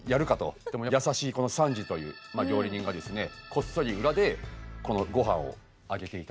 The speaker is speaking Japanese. でも優しいこのサンジという料理人がですねこっそり裏でこのごはんをあげていたというシーン。